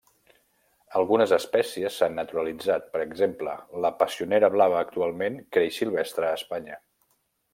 Algunes espècies s'han naturalitzat: per exemple, la passionera blava actualment creix silvestre a Espanya.